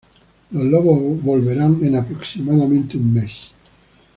Los lobos volverán en aproximadamente un mes.